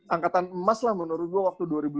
angkatan emas lah menurut gue waktu dua ribu dua puluh